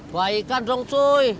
baikan dong cuy